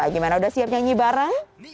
gimana udah siap nyanyi bareng